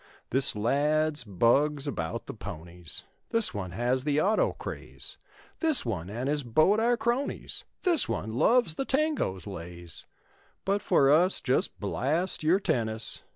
This lad's bugs about the ponies; This one has the auto craze; This one and his boat are cronies; This one loves the tango's lays: But for us just blast your tennis.